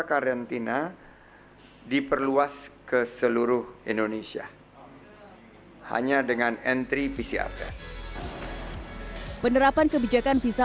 karantina diperluas ke seluruh indonesia hanya dengan entry pcr test penerapan kebijakan visa